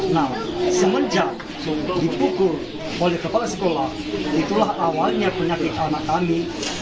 nah semenjak dibukur oleh kepala sekolah itulah awalnya penyakit anak kami